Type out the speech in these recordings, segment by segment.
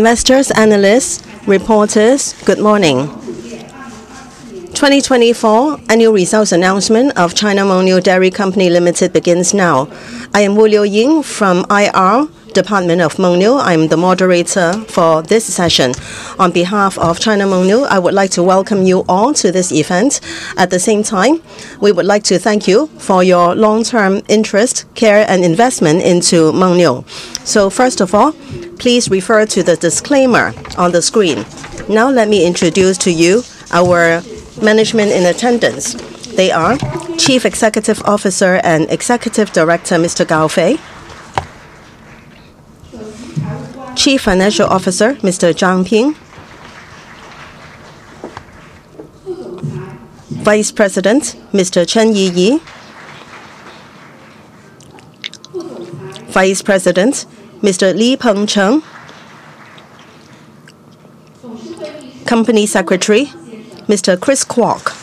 Investors, analysts, reporters, good morning. 2024 Annual Results Announcement of China Mengniu Dairy Company Limited begins now. I am Willow Ying from IR Department of Mengniu. I am the moderator for this session. On behalf of China Mengniu, I would like to welcome you all to this event. At the same time, we would like to thank you for your long-term interest, care, and investment into Mengniu. First of all, please refer to the disclaimer on the screen. Now let me introduce to you our management in attendance. They are Chief Executive Officer and Executive Director Mr. Gao Fei, Chief Financial Officer Mr. Zhang Ping, Vice President Mr. Chen Yiyi, Vice President Mr. Li Pengcheng, Company Secretary Mr. Chris Kwok.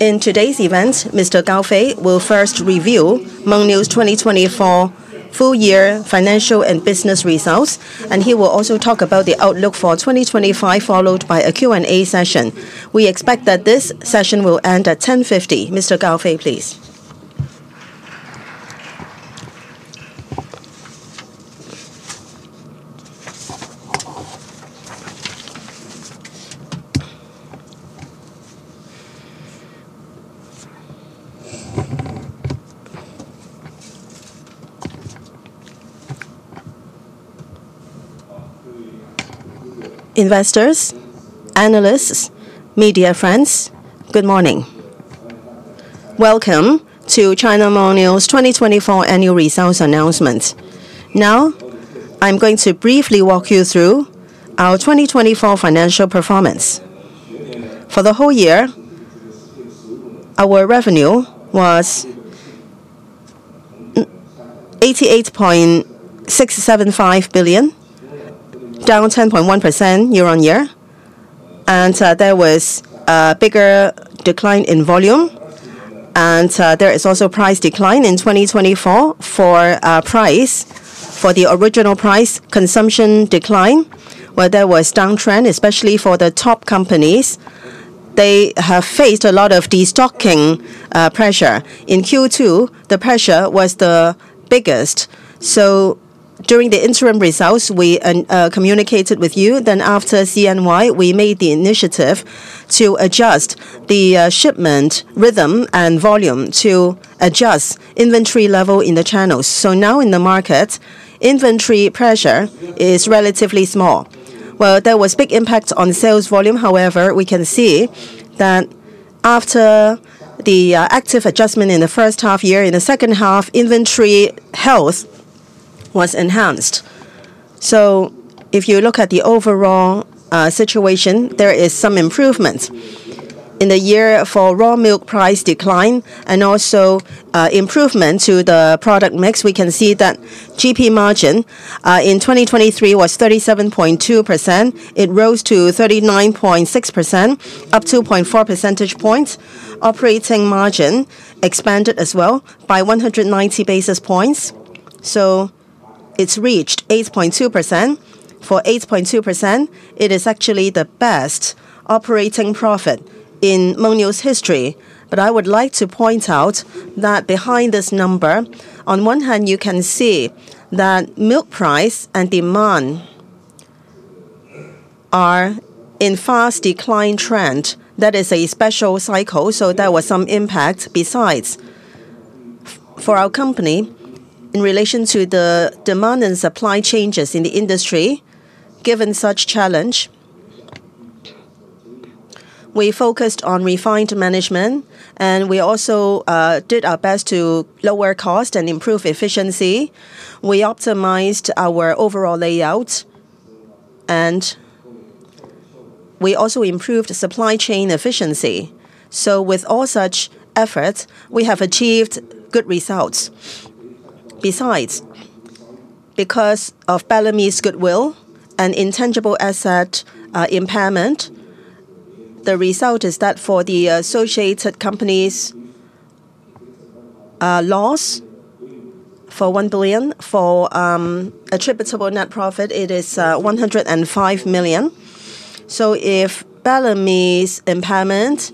In today's event, Mr. Gao Fei will first review Mengniu's 2024 full-year financial and business results, and he will also talk about the outlook for 2025, followed by a Q&A session. We expect that this session will end at 10:50. Mr. Gao Fei, please. Investors, analysts, media friends, good morning. Welcome to China Mengniu's 2024 Annual Results Announcement. Now, I'm going to briefly walk you through our 2024 financial performance. For the whole year, our revenue was 88.675 billion, down 10.1% year-on-year, and there was a bigger decline in volume. There is also a price decline in 2024 for the original price. Consumption declined, where there was a downtrend, especially for the top companies. They have faced a lot of destocking pressure. In Q2, the pressure was the biggest. During the interim results, we communicated with you. After CNY, we made the initiative to adjust the shipment rhythm and volume to adjust inventory level in the channels. Now in the market, inventory pressure is relatively small. There was a big impact on sales volume. However, we can see that after the active adjustment in the first half year, in the second half, inventory health was enhanced. If you look at the overall situation, there is some improvement. In the year for raw milk price decline and also improvement to the product mix, we can see that GP margin in 2023 was 37.2%. It rose to 39.6%, up 2.4 percentage points. Operating margin expanded as well by 190 basis points. It has reached 8.2%. For 8.2%, it is actually the best operating profit in Mengniu's history. I would like to point out that behind this number, on one hand, you can see that milk price and demand are in a fast decline trend. That is a special cycle, so there was some impact. Besides, for our company, in relation to the demand and supply changes in the industry, given such challenge, we focused on refined management, and we also did our best to lower cost and improve efficiency. We optimized our overall layout, and we also improved supply chain efficiency. With all such efforts, we have achieved good results. Besides, because of Bellamy's goodwill and intangible asset impairment, the result is that for the associated companies, loss for 1 billion for attributable net profit, it is 105 million. If Bellamy's impairment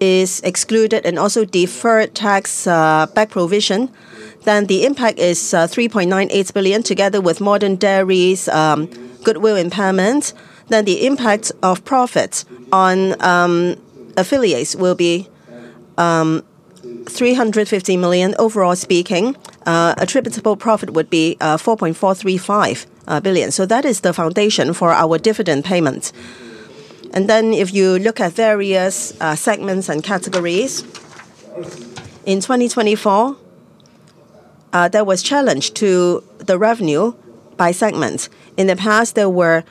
is excluded and also deferred tax back provision, the impact is 3.98 billion together with Modern Dairy's goodwill impairment. The impact of profits on affiliates will be 350 million. Overall speaking, attributable profit would be 4.435 billion. That is the foundation for our dividend payments. If you look at various segments and categories, in 2024, there was challenge to the revenue by segments. In the past, there were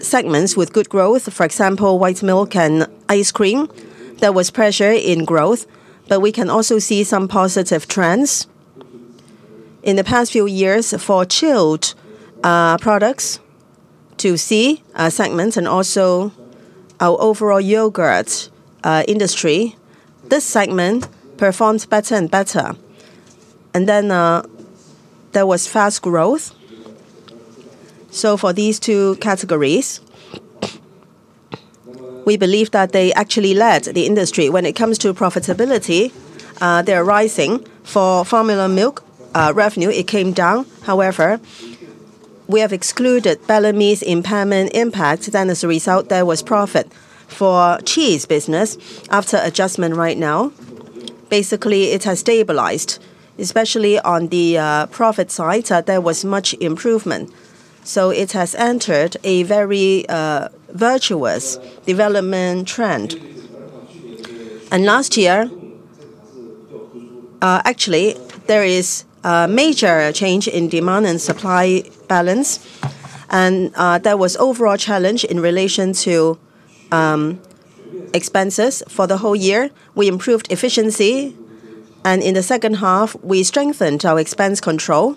segments with good growth, for example, white milk and ice cream. There was pressure in growth, but we can also see some positive trends. In the past few years, for chilled products, to see segments and also our overall yogurt industry, this segment performs better and better. There was fast growth. For these two categories, we believe that they actually led the industry. When it comes to profitability, they're rising. For formula milk revenue, it came down. However, we have excluded Bellamy's impairment impact. As a result, there was profit for cheese business. After adjustment right now, basically it has stabilized, especially on the profit side. There was much improvement. It has entered a very virtuous development trend. Last year, actually, there is a major change in demand and supply balance. There was overall challenge in relation to expenses for the whole year. We improved efficiency, and in the second half, we strengthened our expense control.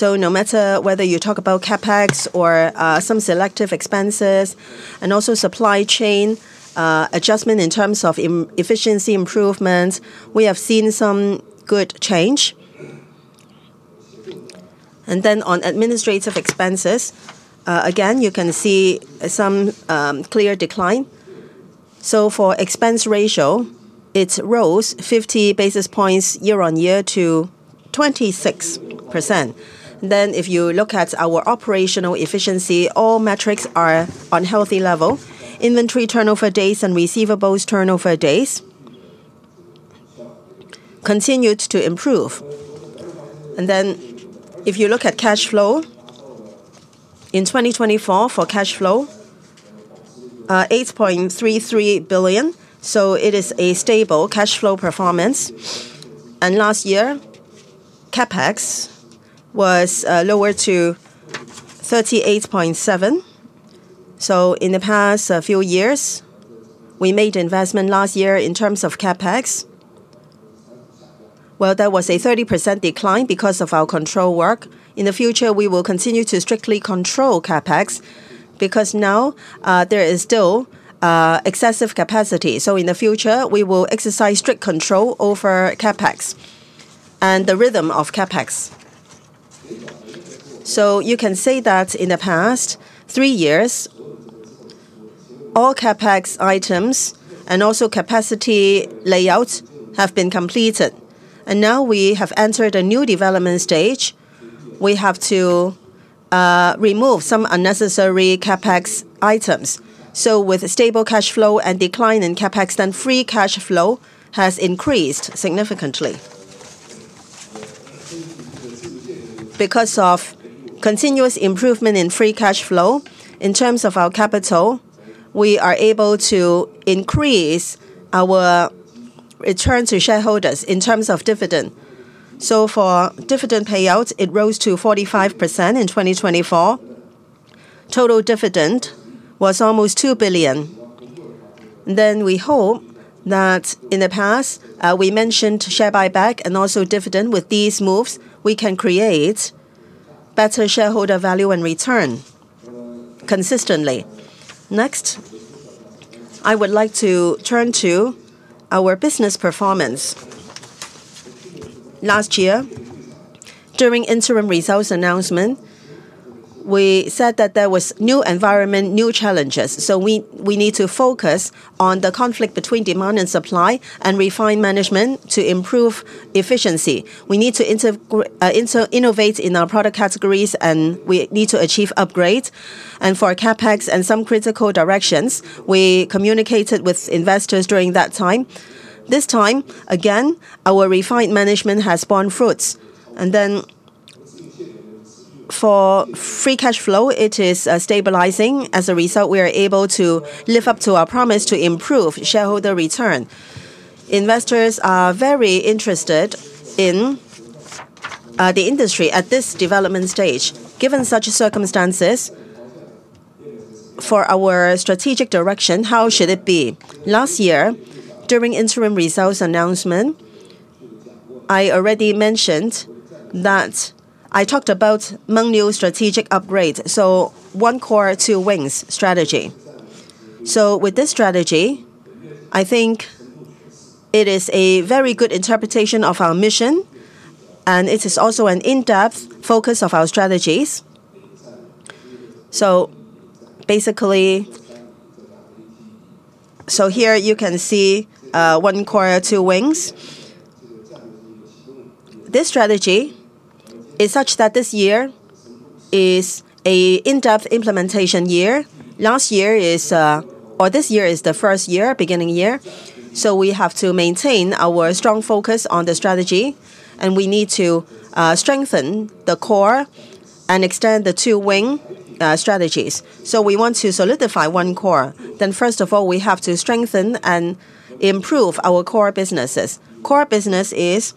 No matter whether you talk about CapEx or some selective expenses and also supply chain adjustment in terms of efficiency improvements, we have seen some good change. On administrative expenses, again, you can see some clear decline. For expense ratio, it rose 50 basis points year-on-year to 26%. If you look at our operational efficiency, all metrics are on healthy level. Inventory turnover days and receivables turnover days continued to improve. If you look at cash flow, in 2024 for cash flow, 8.33 billion. It is a stable cash flow performance. Last year, CapEx was lowered to 38.7 million. In the past few years, we made investment last year in terms of CapEx. There was a 30% decline because of our control work. In the future, we will continue to strictly control CapEx because now there is still excessive capacity. In the future, we will exercise strict control over CapEx and the rhythm of CapEx. You can say that in the past three years, all CapEx items and also capacity layouts have been completed. Now we have entered a new development stage. We have to remove some unnecessary CapEx items. With stable cash flow and decline in CapEx, free cash flow has increased significantly. Because of continuous improvement in free cash flow, in terms of our capital, we are able to increase our return to shareholders in terms of dividend. For dividend payouts, it rose to 45% in 2024. Total dividend was almost 2 billion. We hope that in the past, we mentioned share buyback and also dividend. With these moves, we can create better shareholder value and return consistently. Next, I would like to turn to our business performance. Last year, during interim results announcement, we said that there was a new environment, new challenges. We need to focus on the conflict between demand and supply and refine management to improve efficiency. We need to innovate in our product categories, and we need to achieve upgrades. For CapEx and some critical directions, we communicated with investors during that time. This time, again, our refined management has borne fruits. For free cash flow, it is stabilizing. As a result, we are able to live up to our promise to improve shareholder return. Investors are very interested in the industry at this development stage. Given such circumstances, for our strategic direction, how should it be? Last year, during interim results announcement, I already mentioned that I talked about Mengniu strategic upgrade, so one core two wings strategy. With this strategy, I think it is a very good interpretation of our mission, and it is also an in-depth focus of our strategies. Basically, here you can see one core two wings. This strategy is such that this year is an in-depth implementation year. Last year is, or this year is the first year, beginning year. We have to maintain our strong focus on the strategy, and we need to strengthen the core and extend the two wing strategies. We want to solidify one core. First of all, we have to strengthen and improve our core businesses. Core business is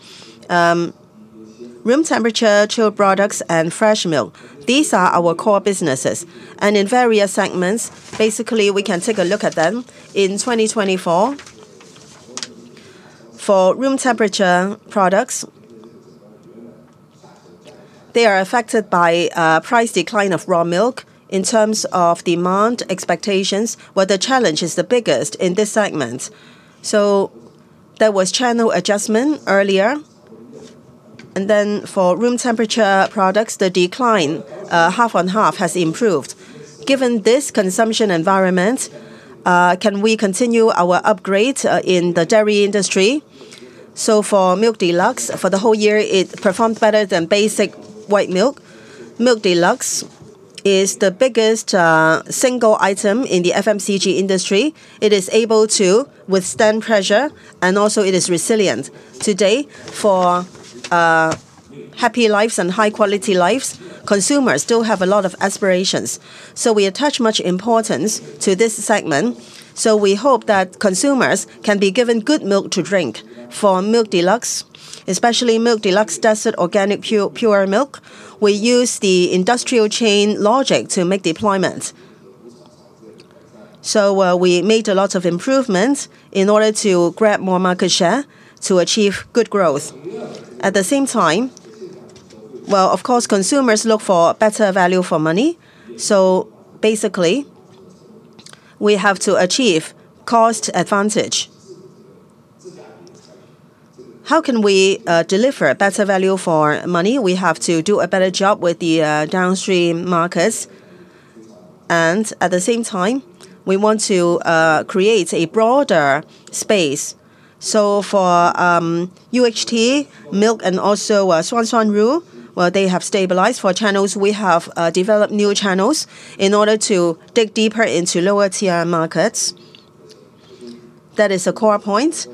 room temperature chilled products and fresh milk. These are our core businesses. In various segments, basically, we can take a look at them. In 2024, for room temperature products, they are affected by price decline of raw milk in terms of demand expectations, where the challenge is the biggest in this segment. There was channel adjustment earlier. For room temperature products, the decline half on half has improved. Given this consumption environment, can we continue our upgrade in the dairy industry? For Milk Deluxe, for the whole year, it performed better than basic white milk. Milk Deluxe is the biggest single item in the FMCG industry. It is able to withstand pressure, and also it is resilient. Today, for happy lives and high-quality lives, consumers still have a lot of aspirations. We attach much importance to this segment. We hope that consumers can be given good milk to drink. For Milk Deluxe, especially Milk Deluxe Desert Organic Pure Milk, we use the industrial chain logic to make deployments. We made a lot of improvements in order to grab more market share to achieve good growth. At the same time, of course, consumers look for better value for money. Basically, we have to achieve cost advantage. How can we deliver better value for money? We have to do a better job with the downstream markets. At the same time, we want to create a broader space. For UHT milk and also Suan Suan Ru, they have stabilized. For channels, we have developed new channels in order to dig deeper into lower tier markets. That is a core point.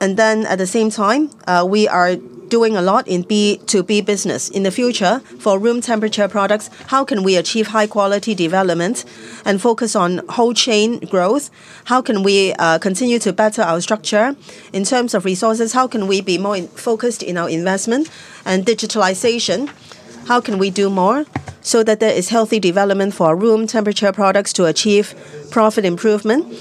At the same time, we are doing a lot in B2B business. In the future, for room temperature products, how can we achieve high-quality development and focus on whole chain growth? How can we continue to better our structure? In terms of resources, how can we be more focused in our investment and digitalization? How can we do more so that there is healthy development for room temperature products to achieve profit improvement?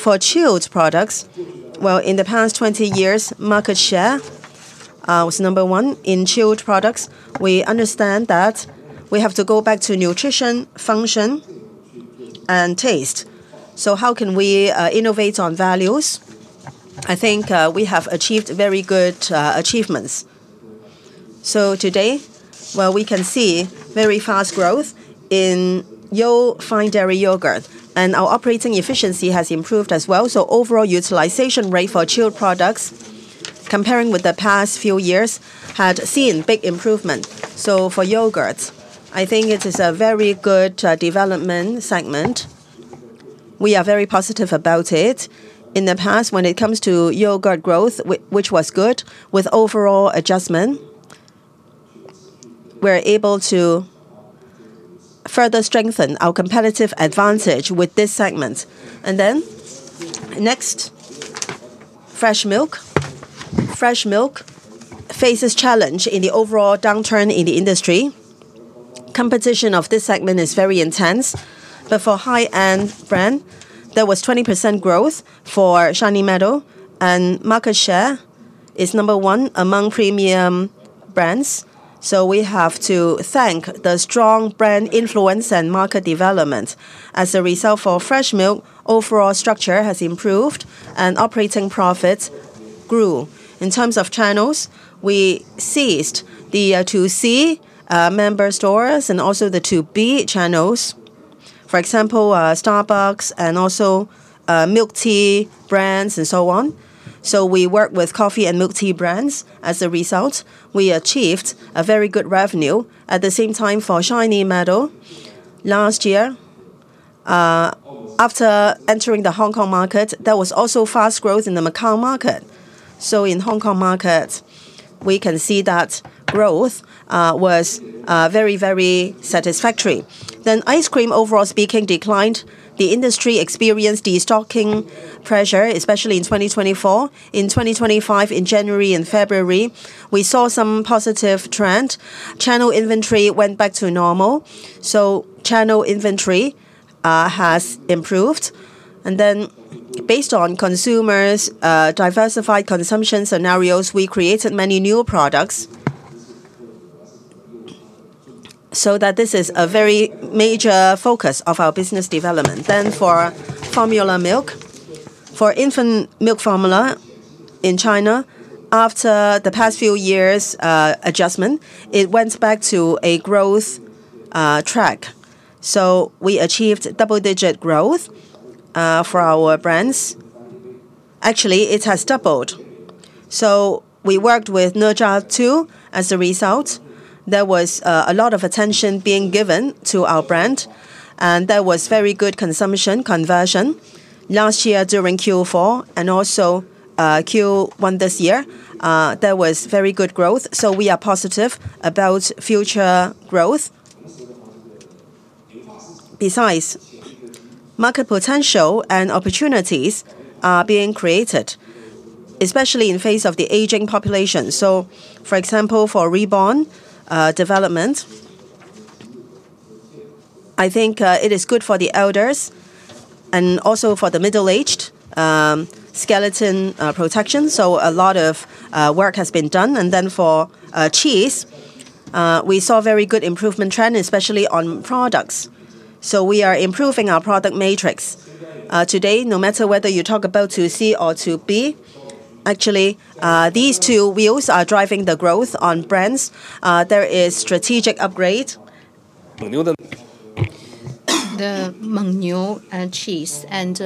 For chilled products, in the past 20 years, market share was number one in chilled products. We understand that we have to go back to nutrition, function, and taste. How can we innovate on values? I think we have achieved very good achievements. Today, we can see very fast growth in Yale Fine Dairy Yogurt, and our operating efficiency has improved as well. Overall utilization rate for chilled products, comparing with the past few years, had seen big improvement. For yogurts, I think it is a very good development segment. We are very positive about it. In the past, when it comes to yogurt growth, which was good with overall adjustment, we are able to further strengthen our competitive advantage with this segment. Next, fresh milk. Fresh milk faces challenge in the overall downturn in the industry. Competition of this segment is very intense. For high-end brand, there was 20% growth for Shiny Meadow, and market share is number one among premium brands. We have to thank the strong brand influence and market development. As a result, for fresh milk, overall structure has improved and operating profits grew. In terms of channels, we seized the To C member stores and also the To B channels, for example, Starbucks and also milk tea brands and so on. We worked with coffee and milk tea brands. As a result, we achieved a very good revenue. At the same time, for Shiny Meadow, last year, after entering the Hong Kong market, there was also fast growth in the Macau market. In the Hong Kong market, we can see that growth was very, very satisfactory. Ice cream, overall speaking, declined. The industry experienced destocking pressure, especially in 2024. In 2025, in January and February, we saw some positive trend. Channel inventory went back to normal. Channel inventory has improved. Based on consumers' diversified consumption scenarios, we created many new products so that this is a very major focus of our business development. For formula milk, for infant milk formula in China, after the past few years' adjustment, it went back to a growth track. We achieved double-digit growth for our brands. Actually, it has doubled. We worked with Nezha too. As a result, there was a lot of attention being given to our brand, and there was very good consumption conversion last year during Q4 and also Q1 this year. There was very good growth. We are positive about future growth. Besides, market potential and opportunities are being created, especially in face of the aging population. For example, for reborn development, I think it is good for the elders and also for the middle-aged skeleton protection. A lot of work has been done. For cheese, we saw very good improvement trend, especially on products. We are improving our product matrix. Today, no matter whether you talk about two C or two B, actually, these two wheels are driving the growth on brands. There is strategic upgrade. The Mengniu cheese and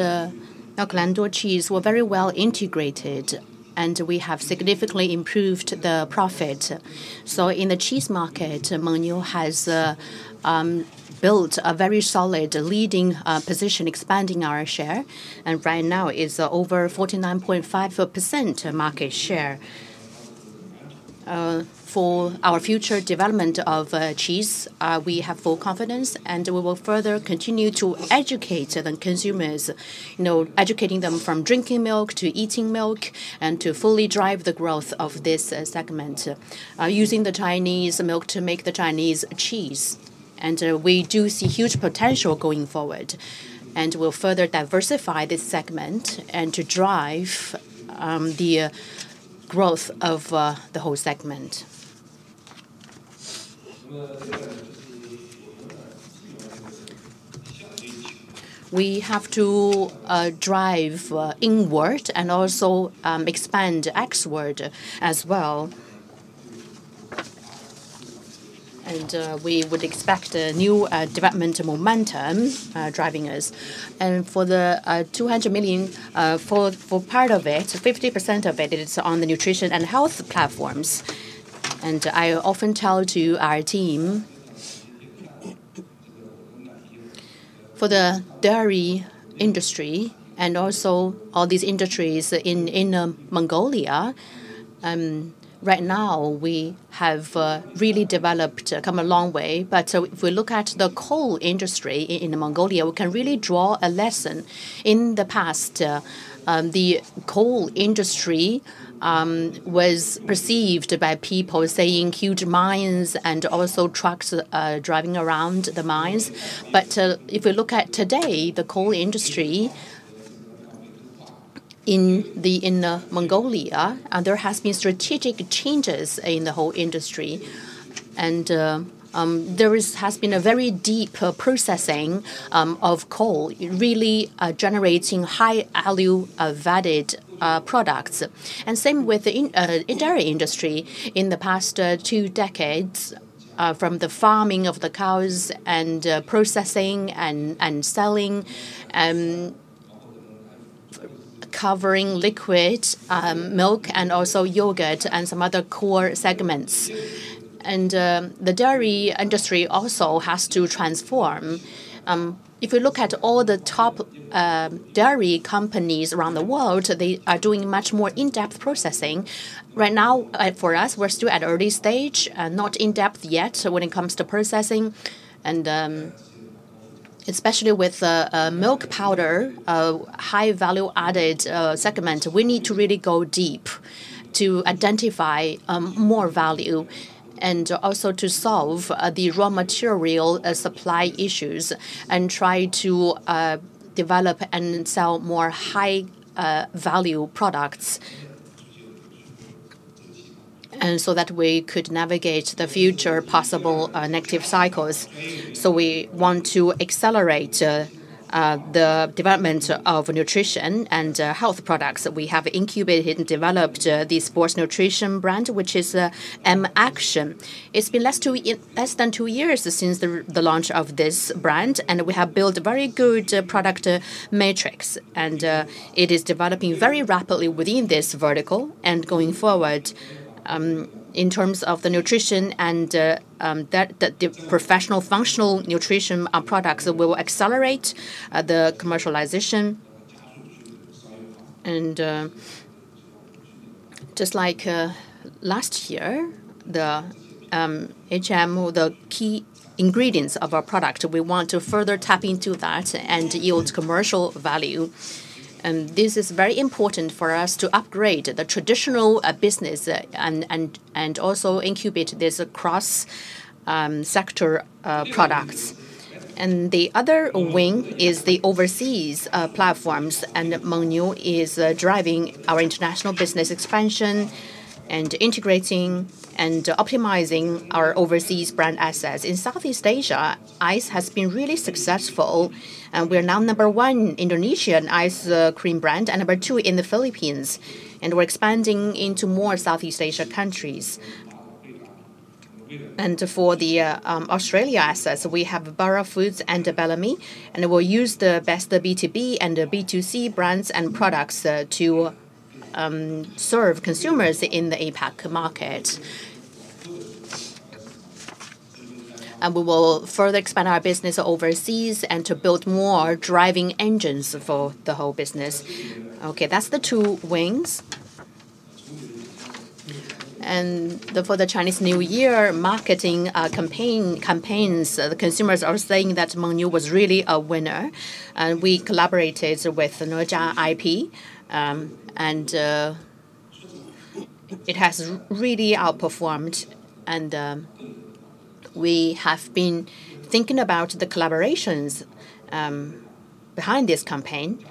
Yaohai cheese were very well integrated, and we have significantly improved the profit. In the cheese market, Mengniu has built a very solid leading position, expanding our share. Right now, it is over 49.5% market share. For our future development of cheese, we have full confidence, and we will further continue to educate the consumers, educating them from drinking milk to eating milk and to fully drive the growth of this segment, using the Chinese milk to make the Chinese cheese. We do see huge potential going forward, and we'll further diversify this segment to drive the growth of the whole segment. We have to drive inward and also expand outward as well. We would expect a new development momentum driving us. For the 200 million, for part of it, 50% of it is on the nutrition and health platforms. I often tell our team for the dairy industry and also all these industries in Inner Mongolia, right now, we have really developed, come a long way. If we look at the coal industry in Inner Mongolia, we can really draw a lesson. In the past, the coal industry was perceived by people saying huge mines and also trucks driving around the mines. If we look at today, the coal industry in Inner Mongolia, there has been strategic changes in the whole industry. There has been a very deep processing of coal, really generating high-value added products. Same with the dairy industry in the past two decades, from the farming of the cows and processing and selling, covering liquid milk and also yogurt and some other core segments. The dairy industry also has to transform. If we look at all the top dairy companies around the world, they are doing much more in-depth processing. Right now, for us, we're still at early stage, not in-depth yet when it comes to processing. Especially with milk powder, a high-value added segment, we need to really go deep to identify more value and also to solve the raw material supply issues and try to develop and sell more high-value products so that we could navigate the future possible negative cycles. We want to accelerate the development of nutrition and health products. We have incubated and developed the Sports Nutrition brand, which is M-Action. It's been less than two years since the launch of this brand, and we have built a very good product matrix. It is developing very rapidly within this vertical. Going forward, in terms of the nutrition and the professional functional nutrition products, we will accelerate the commercialization. Just like last year, the HMO, the key ingredients of our product, we want to further tap into that and yield commercial value. This is very important for us to upgrade the traditional business and also incubate these cross-sector products. The other wing is the overseas platforms, and Mengniu is driving our international business expansion and integrating and optimizing our overseas brand assets. In Southeast Asia, ice cream has been really successful, and we are now the number one Indonesian ice cream brand and number two in the Philippines. We are expanding into more Southeast Asia countries. For the Australia assets, we have Burra Foods and Bellamy's, and we will use the best B2B and B2C brands and products to serve consumers in the APAC market. We will further expand our business overseas to build more driving engines for the whole business. That is the two wings. For the Chinese New Year marketing campaigns, the consumers are saying that Mengniu was really a winner. We collaborated with Nurja IP, and it has really outperformed. We have been thinking about the collaborations behind this campaign.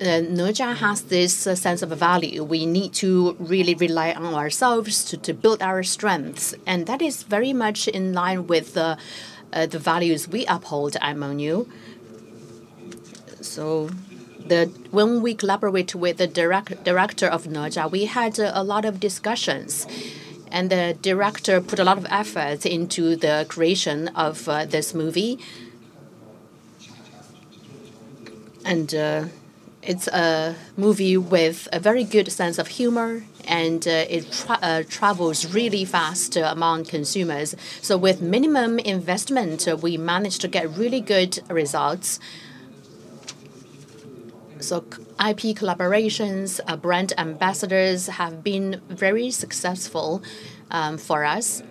Nurja has this sense of value. We need to really rely on ourselves to build our strengths. That is very much in line with the values we uphold at Mengniu. When we collaborate with the director of Nurja, we had a lot of discussions, and the director put a lot of effort into the creation of this movie. It is a movie with a very good sense of humor, and it travels really fast among consumers. With minimum investment, we managed to get really good results. IP collaborations, brand ambassadors have been very successful for us.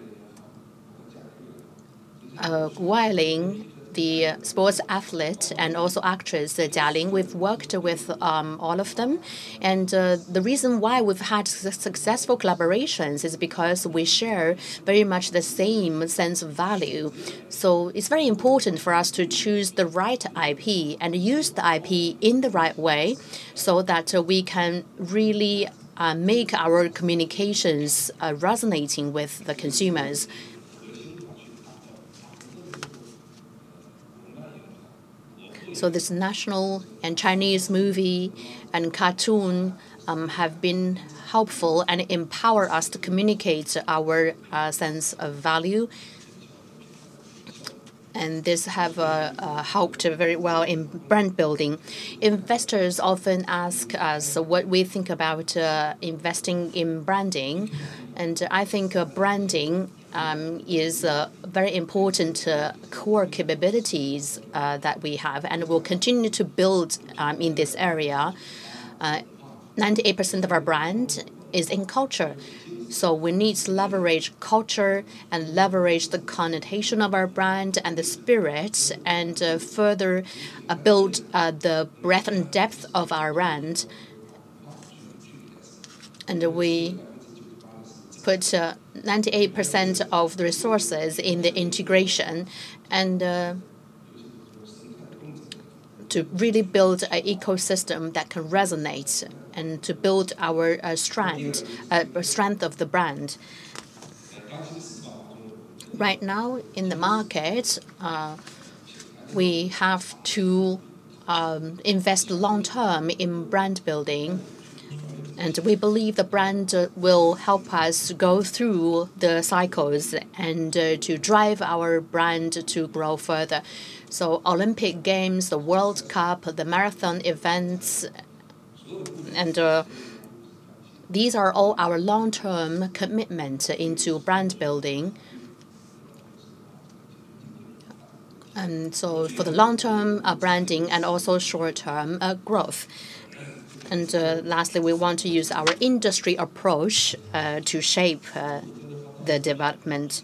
Gu Ailing, the sports athlete, and also actress Jia Ling, we've worked with all of them. The reason why we've had successful collaborations is because we share very much the same sense of value. It is very important for us to choose the right IP and use the IP in the right way so that we can really make our communications resonating with the consumers. This national and Chinese movie and cartoon have been helpful and empower us to communicate our sense of value. This has helped very well in brand building. Investors often ask us what we think about investing in branding. I think branding is a very important core capability that we have and will continue to build in this area. 98% of our brand is in culture. We need to leverage culture and leverage the connotation of our brand and the spirit and further build the breadth and depth of our brand. We put 98% of the resources in the integration to really build an ecosystem that can resonate and to build our strength of the brand. Right now, in the market, we have to invest long-term in brand building. We believe the brand will help us go through the cycles and to drive our brand to grow further. Olympic Games, the World Cup, the marathon events, these are all our long-term commitments into brand building. For the long-term branding and also short-term growth. Lastly, we want to use our industry approach to shape the development.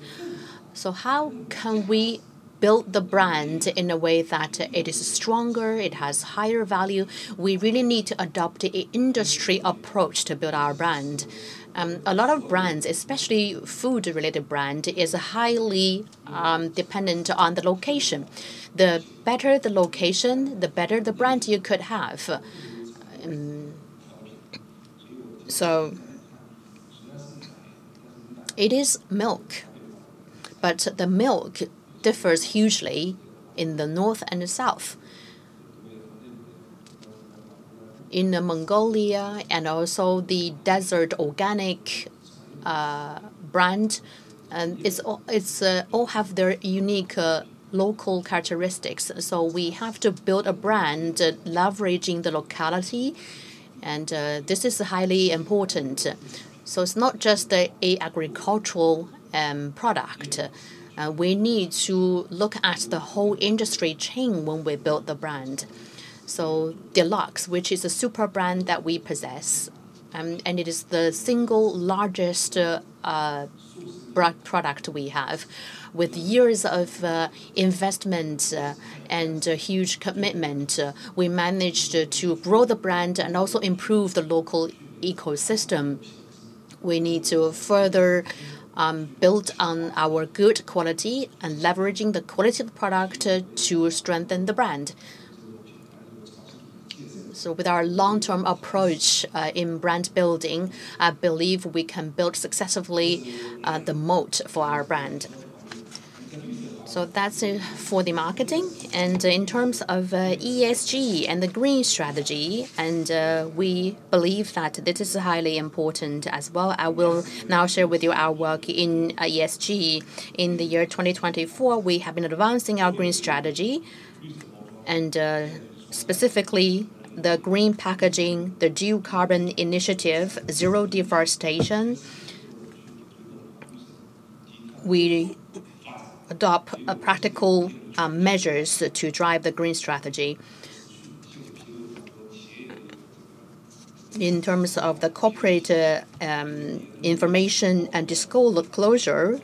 How can we build the brand in a way that it is stronger, it has higher value? We really need to adopt an industry approach to build our brand. A lot of brands, especially food-related brands, are highly dependent on the location. The better the location, the better the brand you could have. It is milk, but the milk differs hugely in the north and the south. In Mongolia and also the Desert Organic brand, they all have their unique local characteristics. We have to build a brand leveraging the locality. This is highly important. It is not just an agricultural product. We need to look at the whole industry chain when we build the brand. Deluxe, which is a super brand that we possess, is the single largest product we have. With years of investment and huge commitment, we managed to grow the brand and also improve the local ecosystem. We need to further build on our good quality and leverage the quality of the product to strengthen the brand. With our long-term approach in brand building, I believe we can build successfully the moat for our brand. That is for the marketing. In terms of ESG and the green strategy, we believe that this is highly important as well. I will now share with you our work in ESG. In the year 2024, we have been advancing our green strategy, and specifically the green packaging, the Dual Carbon Initiative, Zero Deforest. We adopt practical measures to drive the green strategy. In terms of the corporate information and disclosure,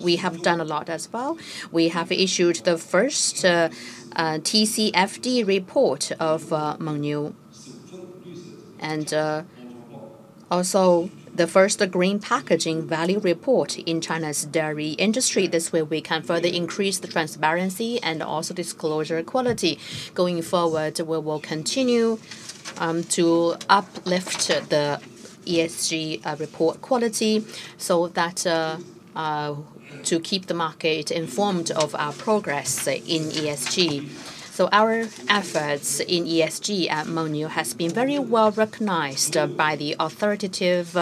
we have done a lot as well. We have issued the first TCFD report of Mengniu and also the first green packaging value report in China's dairy industry. This way, we can further increase the transparency and also disclosure quality. Going forward, we will continue to uplift the ESG report quality so that to keep the market informed of our progress in ESG. Our efforts in ESG at Mengniu have been very well recognized by the authoritative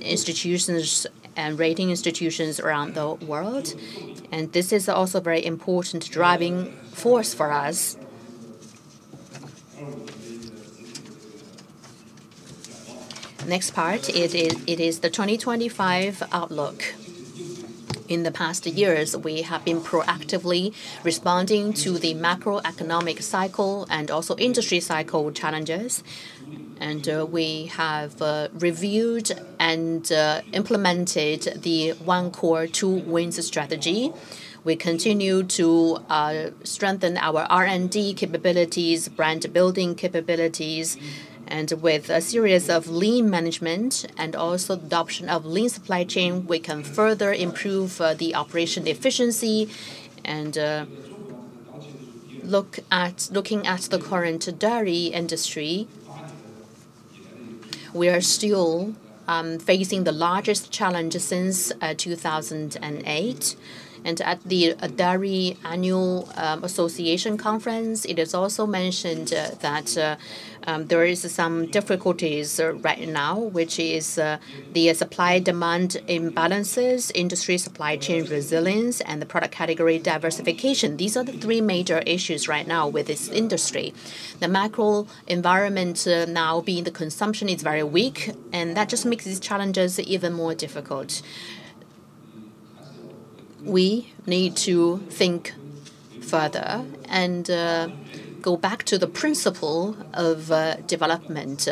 institutions and rating institutions around the world. This is also a very important driving force for us. Next part, it is the 2025 outlook. In the past years, we have been proactively responding to the macroeconomic cycle and also industry cycle challenges. We have reviewed and implemented the One Core Two Wins strategy. We continue to strengthen our R&D capabilities, brand building capabilities, and with a series of lean management and also the adoption of lean supply chain, we can further improve the operation efficiency. Looking at the current dairy industry, we are still facing the largest challenge since 2008. At the Dairy Annual Association Conference, it is also mentioned that there are some difficulties right now, which is the supply-demand imbalances, industry supply chain resilience, and the product category diversification. These are the three major issues right now with this industry. The macro environment now being the consumption is very weak, and that just makes these challenges even more difficult. We need to think further and go back to the principle of development,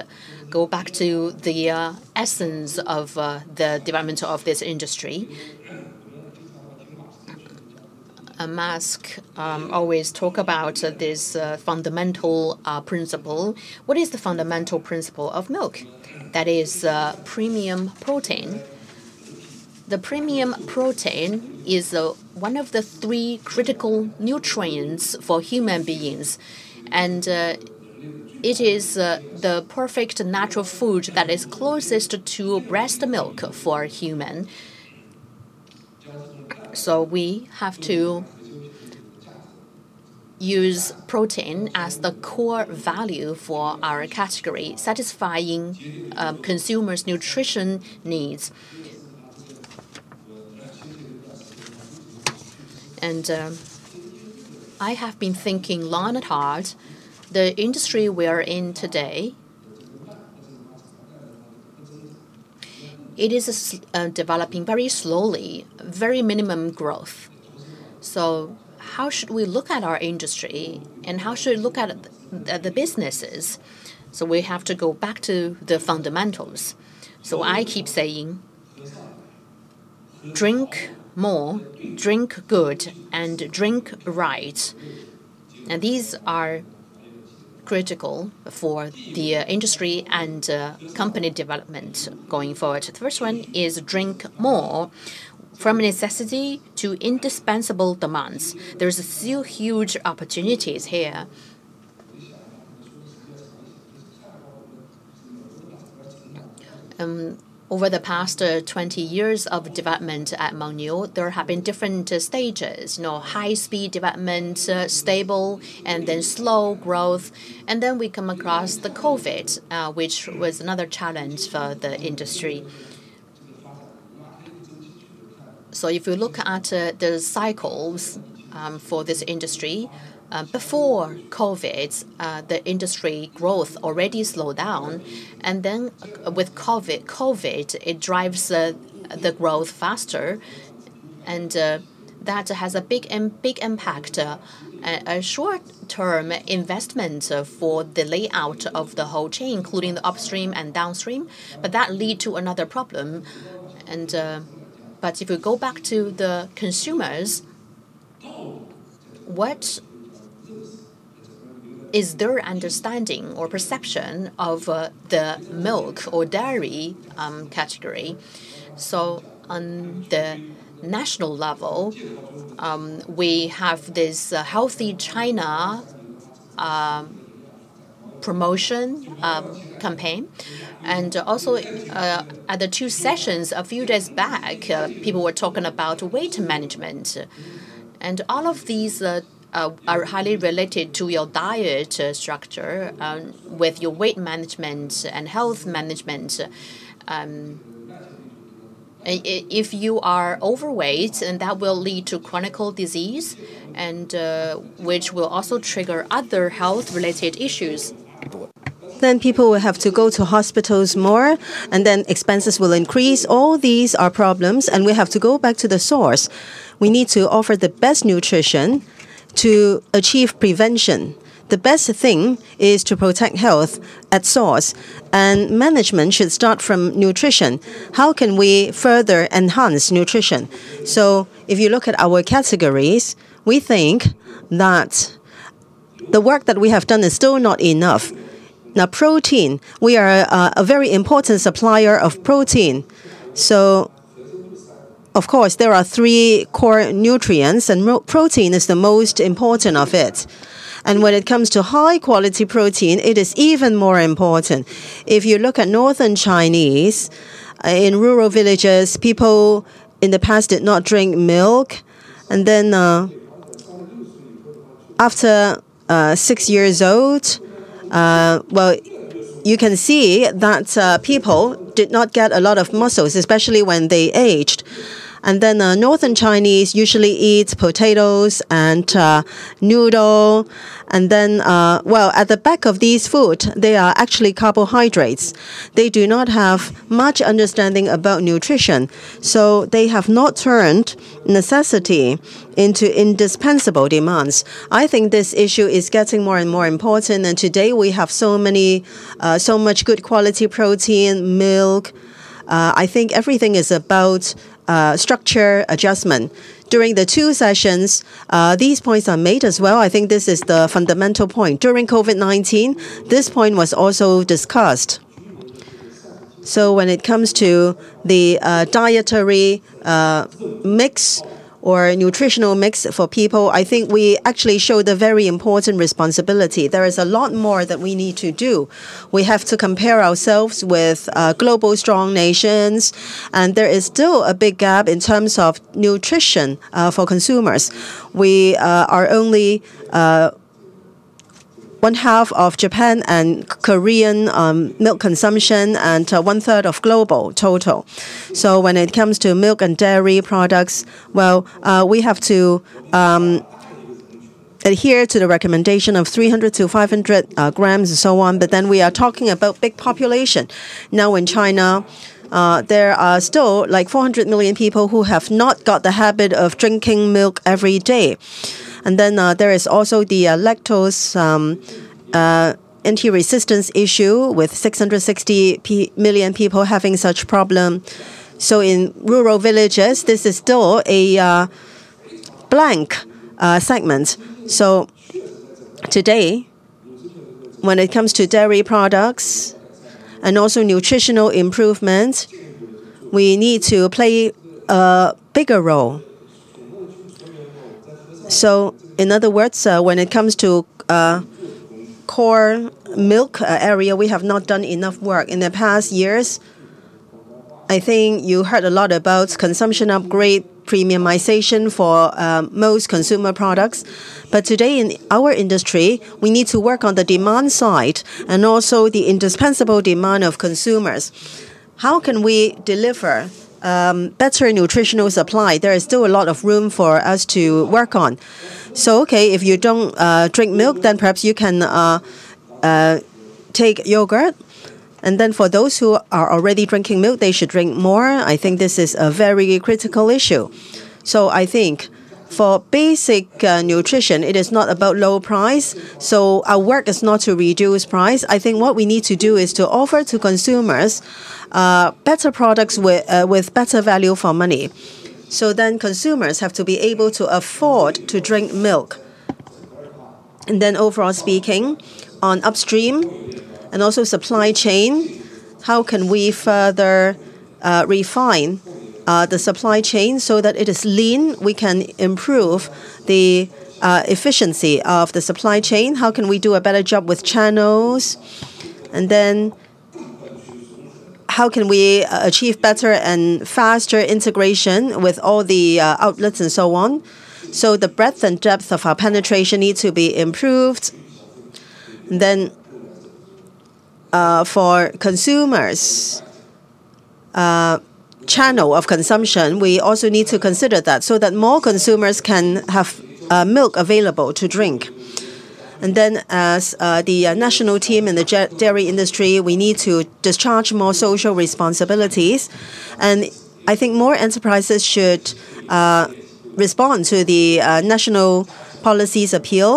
go back to the essence of the development of this industry. I always talk about this fundamental principle. What is the fundamental principle of milk? That is premium protein. Premium protein is one of the three critical nutrients for human beings. It is the perfect natural food that is closest to breast milk for humans. We have to use protein as the core value for our category, satisfying consumers' nutrition needs. I have been thinking long and hard. The industry we are in today, it is developing very slowly, very minimum growth. How should we look at our industry and how should we look at the businesses? We have to go back to the fundamentals. I keep saying, drink more, drink good, and drink right. These are critical for the industry and company development going forward. The first one is drink more from necessity to indispensable demands. There are still huge opportunities here. Over the past 20 years of development at Mengniu, there have been different stages, high-speed development, stable, and then slow growth. Then we come across the COVID, which was another challenge for the industry. If you look at the cycles for this industry, before COVID, the industry growth already slowed down. With COVID, it drives the growth faster. That has a big impact on short-term investment for the layout of the whole chain, including the upstream and downstream. That leads to another problem. If we go back to the consumers, what is their understanding or perception of the milk or dairy category? On the national level, we have this Healthy China promotion campaign. Also at the Two Sessions a few days back, people were talking about weight management. All of these are highly related to your diet structure with your weight management and health management. If you are overweight, that will lead to chronic disease, which will also trigger other health-related issues. People will have to go to hospitals more, and expenses will increase. All these are problems, and we have to go back to the source. We need to offer the best nutrition to achieve prevention. The best thing is to protect health at source. Management should start from nutrition. How can we further enhance nutrition? If you look at our categories, we think that the work that we have done is still not enough. Now, protein, we are a very important supplier of protein. Of course, there are three core nutrients, and protein is the most important of it. When it comes to high-quality protein, it is even more important. If you look at Northern Chinese, in rural villages, people in the past did not drink milk. After six years old, you can see that people did not get a lot of muscles, especially when they aged. Northern Chinese usually eat potatoes and noodle. At the back of these foods, they are actually carbohydrates. They do not have much understanding about nutrition. They have not turned necessity into indispensable demands. I think this issue is getting more and more important. Today, we have so much good quality protein, milk. I think everything is about structure adjustment. During the Two Sessions, these points are made as well. I think this is the fundamental point. During COVID-19, this point was also discussed. When it comes to the dietary mix or nutritional mix for people, I think we actually show the very important responsibility. There is a lot more that we need to do. We have to compare ourselves with global strong nations. There is still a big gap in terms of nutrition for consumers. We are only one half of Japan and Korean milk consumption and one third of global total. When it comes to milk and dairy products, we have to adhere to the recommendation of 300-500 grams and so on. We are talking about big population. In China, there are still like 400 million people who have not got the habit of drinking milk every day. There is also the lactose anti-resistance issue with 660 million people having such a problem. In rural villages, this is still a blank segment. Today, when it comes to dairy products and also nutritional improvements, we need to play a bigger role. In other words, when it comes to core milk area, we have not done enough work. In the past years, I think you heard a lot about consumption upgrade, premiumization for most consumer products. Today, in our industry, we need to work on the demand side and also the indispensable demand of consumers. How can we deliver better nutritional supply? There is still a lot of room for us to work on. Okay, if you do not drink milk, then perhaps you can take yogurt. For those who are already drinking milk, they should drink more. I think this is a very critical issue. I think for basic nutrition, it is not about low price. Our work is not to reduce price. I think what we need to do is to offer to consumers better products with better value for money. Then consumers have to be able to afford to drink milk. Overall speaking, on upstream and also supply chain, how can we further refine the supply chain so that it is lean? We can improve the efficiency of the supply chain. How can we do a better job with channels? How can we achieve better and faster integration with all the outlets and so on? The breadth and depth of our penetration needs to be improved. For consumers, channel of consumption, we also need to consider that so that more consumers can have milk available to drink. As the national team in the dairy industry, we need to discharge more social responsibilities. I think more enterprises should respond to the national policies appeal.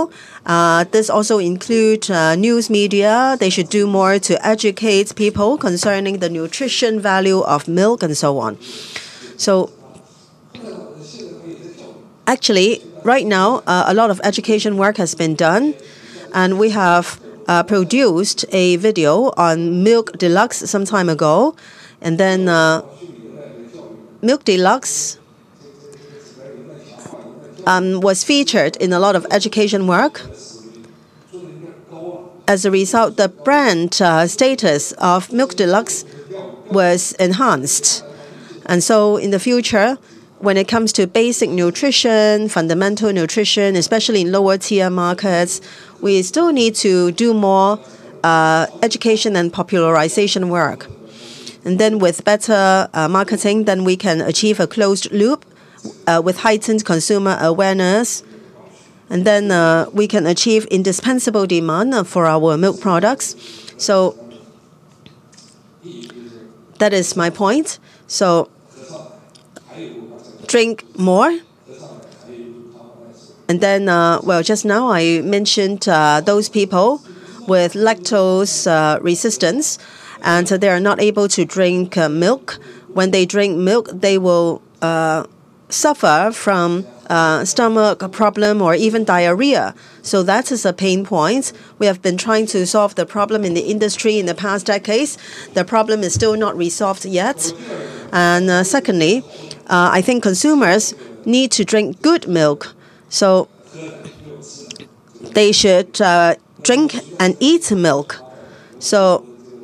This also includes news media. They should do more to educate people concerning the nutrition value of milk and so on. Actually, right now, a lot of education work has been done. We have produced a video on Milk Deluxe some time ago. Milk Deluxe was featured in a lot of education work. As a result, the brand status of Milk Deluxe was enhanced. In the future, when it comes to basic nutrition, fundamental nutrition, especially in lower-tier markets, we still need to do more education and popularization work. With better marketing, we can achieve a closed loop with heightened consumer awareness. Then we can achieve indispensable demand for our milk products. That is my point. Drink more. Just now I mentioned those people with lactose resistance. They are not able to drink milk. When they drink milk, they will suffer from stomach problems or even diarrhea. That is a pain point. We have been trying to solve the problem in the industry in the past decades. The problem is still not resolved yet. Secondly, I think consumers need to drink good milk. They should drink and eat milk.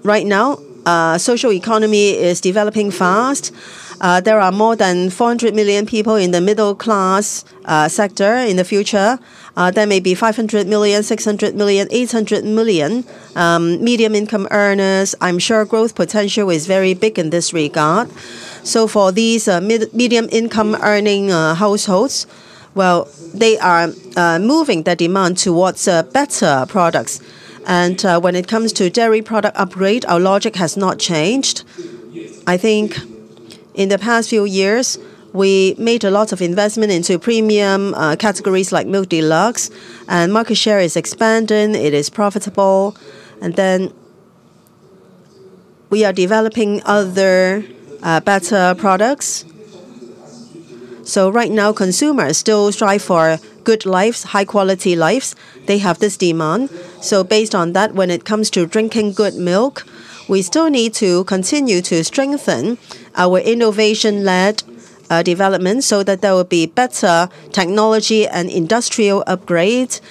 Right now, social economy is developing fast. There are more than 400 million people in the middle-class sector. In the future, there may be 500 million, 600 million, 800 million medium-income earners. I'm sure growth potential is very big in this regard. For these medium-income earning households, they are moving the demand towards better products. When it comes to dairy product upgrade, our logic has not changed. I think in the past few years, we made a lot of investment into premium categories like Milk Deluxe. Market share is expanding. It is profitable. We are developing other better products. Right now, consumers still strive for good lives, high-quality lives. They have this demand. Based on that, when it comes to drinking good milk, we still need to continue to strengthen our innovation-led development so that there will be better technology and industrial upgrades.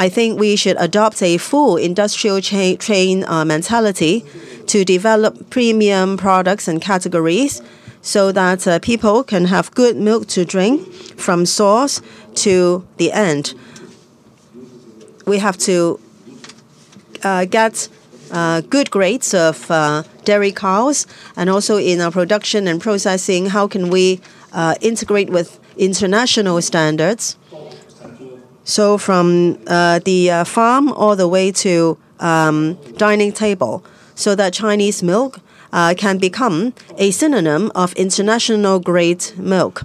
I think we should adopt a full industrial chain mentality to develop premium products and categories so that people can have good milk to drink from source to the end. We have to get good grades of dairy cows. Also in our production and processing, how can we integrate with international standards? From the farm all the way to dining table so that Chinese milk can become a synonym of international-grade milk.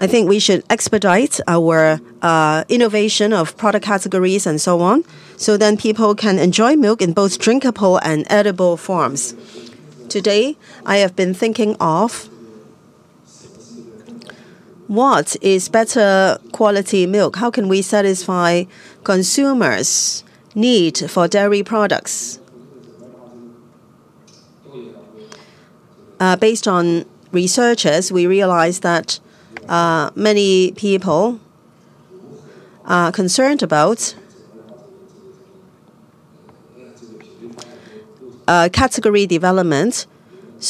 I think we should expedite our innovation of product categories and so on so then people can enjoy milk in both drinkable and edible forms. Today, I have been thinking of what is better quality milk. How can we satisfy consumers' need for dairy products? Based on researchers, we realize that many people are concerned about category development.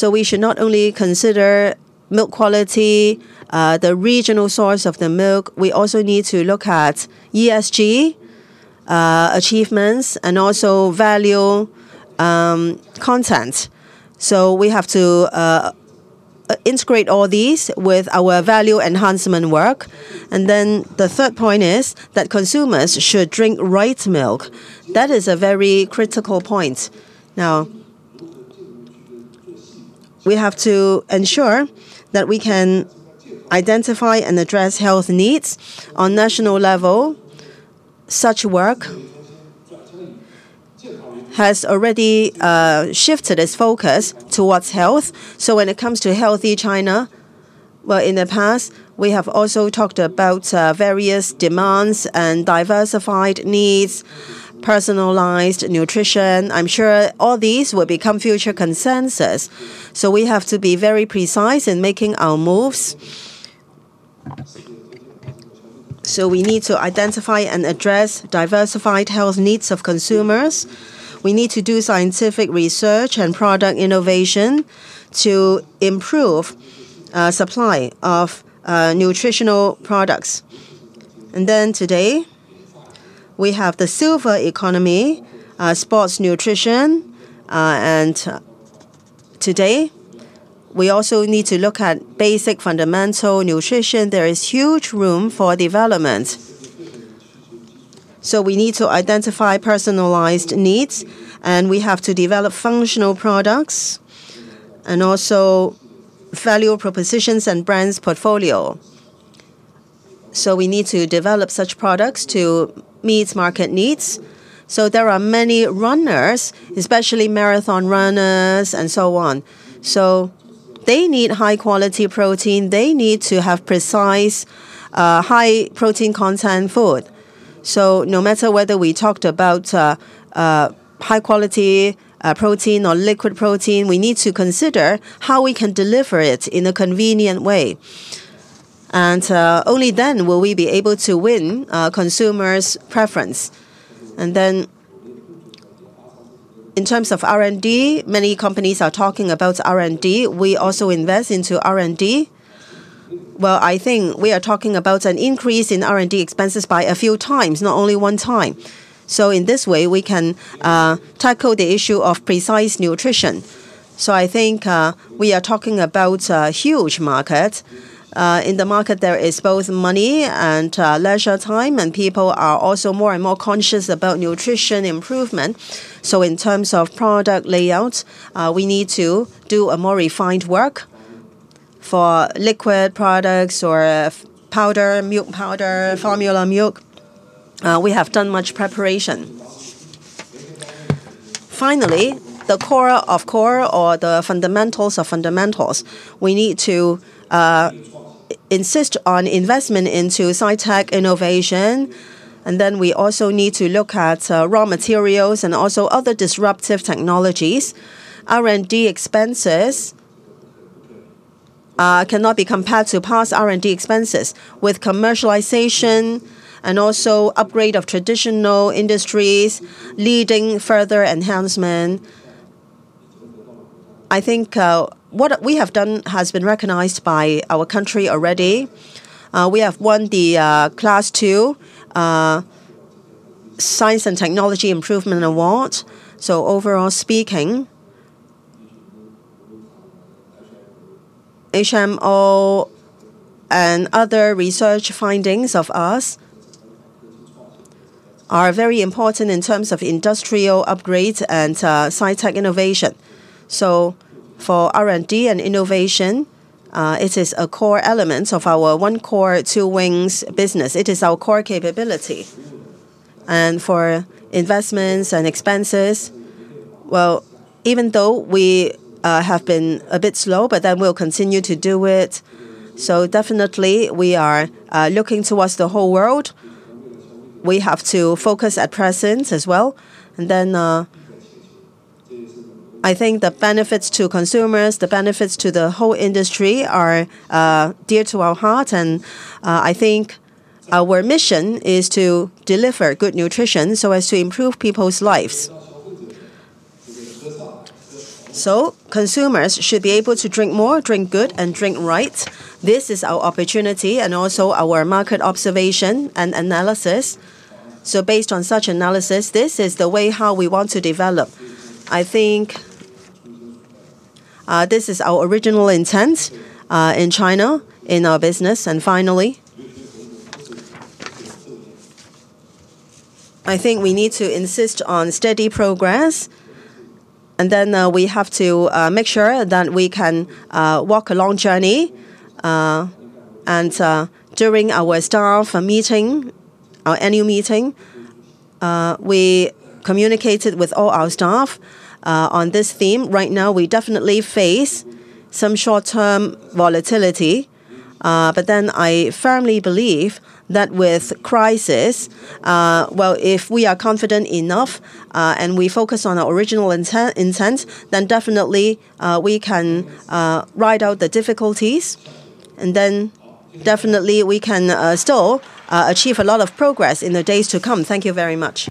We should not only consider milk quality, the regional source of the milk. We also need to look at ESG achievements and also value content. We have to integrate all these with our value enhancement work. The third point is that consumers should drink right milk. That is a very critical point. Now, we have to ensure that we can identify and address health needs on a national level. Such work has already shifted its focus towards health. When it comes to Healthy China, in the past, we have also talked about various demands and diversified needs, personalized nutrition. I'm sure all these will become future consensus. We have to be very precise in making our moves. We need to identify and address diversified health needs of consumers. We need to do scientific research and product innovation to improve supply of nutritional products. Today, we have the silver economy, sports nutrition. Today, we also need to look at basic fundamental nutrition. There is huge room for development. We need to identify personalized needs, and we have to develop functional products and also value propositions and brands' portfolio. We need to develop such products to meet market needs. There are many runners, especially marathon runners and so on. They need high-quality protein. They need to have precise, high-protein content food. No matter whether we talked about high-quality protein or liquid protein, we need to consider how we can deliver it in a convenient way. Only then will we be able to win consumers' preference. In terms of R&D, many companies are talking about R&D. We also invest into R&D. I think we are talking about an increase in R&D expenses by a few times, not only one time. In this way, we can tackle the issue of precise nutrition. I think we are talking about a huge market. In the market, there is both money and leisure time, and people are also more and more conscious about nutrition improvement. In terms of product layouts, we need to do more refined work for liquid products or powder, milk powder, formula milk. We have done much preparation. Finally, the core of core or the fundamentals of fundamentals. We need to insist on investment into high-tech innovation. We also need to look at raw materials and also other disruptive technologies. R&D expenses cannot be compared to past R&D expenses with commercialization and also upgrade of traditional industries leading further enhancement. I think what we have done has been recognized by our country already. We have won the Class 2 Science and Technology Improvement Award. Overall speaking, HMO and other research findings of us are very important in terms of industrial upgrades and high-tech innovation. For R&D and innovation, it is a core element of our one-core, two-wings business. It is our core capability. For investments and expenses, even though we have been a bit slow, we will continue to do it. Definitely, we are looking towards the whole world. We have to focus at present as well. I think the benefits to consumers, the benefits to the whole industry are dear to our heart. I think our mission is to deliver good nutrition so as to improve people's lives. Consumers should be able to drink more, drink good, and drink right. This is our opportunity and also our market observation and analysis. Based on such analysis, this is the way how we want to develop. I think this is our original intent in China in our business. Finally, I think we need to insist on steady progress. We have to make sure that we can walk a long journey. During our staff meeting, our annual meeting, we communicated with all our staff on this theme. Right now, we definitely face some short-term volatility. I firmly believe that with crisis, if we are confident enough and we focus on our original intent, definitely we can ride out the difficulties. Definitely we can still achieve a lot of progress in the days to come. Thank you very much.